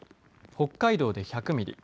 北海道で１００ミリ